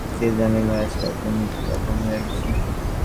কে জানে ভাই, আজকাল তুমি কী রকম হইয়া গেছ।